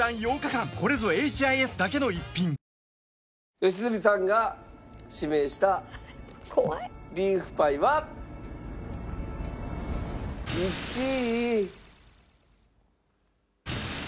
良純さんが指名したリーフパイは１位。